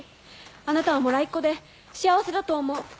あなたはもらいっ子で幸せだと思う。